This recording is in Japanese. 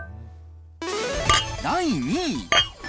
第２位。